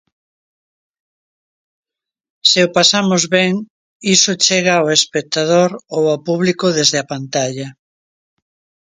Se o pasamos ben iso chega ao espectador ou ao público desde a pantalla.